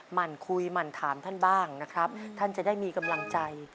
หั่นคุยหมั่นถามท่านบ้างนะครับท่านจะได้มีกำลังใจ